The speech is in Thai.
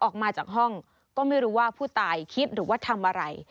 ออกมาจากห้องก็ไม่รู้ว่าผู้ตายคิดหรือว่าทำอะไร